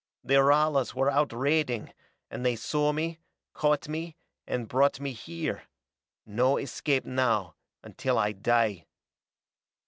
The Ralas were out raiding and they saw me, caught me, and brought me here. No escape now, until I die."